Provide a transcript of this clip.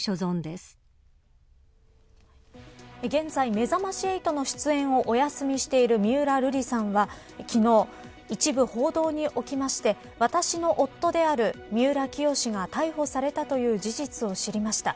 現在、めざまし８の出演をお休みしている三浦瑠麗さんは昨日、一部報道におきまして私の夫である三浦清志が逮捕されたという事実を知りました。